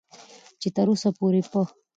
چې تر اوسه پورې په